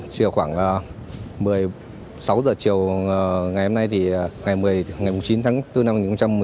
chiều khoảng một mươi sáu h chiều ngày hôm nay ngày một mươi chín tháng bốn năm hai nghìn một mươi chín